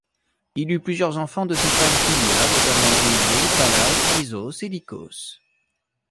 Il eut plusieurs enfants de sa femme Pylia, notamment Égée, Pallas, Nisos et Lycos.